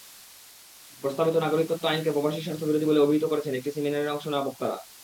প্রস্তাবিত নাগরিকত্ব আইনকে প্রবাসী স্বার্থবিরোধী বলে অভিহিত করেছেন একটি সেমিনারে অংশ নেওয়া বক্তারা।